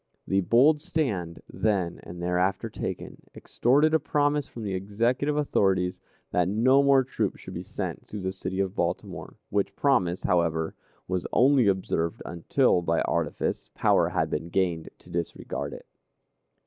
The bold stand, then and thereafter taken, extorted a promise from the Executive authorities that no more troops should be sent through the city of Baltimore, which promise, however, was only observed until, by artifice, power had been gained to disregard it.